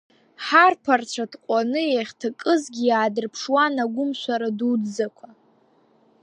Ҳарԥарацәа ҭҟәаны иахьҭакызгьы иаадырԥшуан агәымшәара дуӡӡақәа.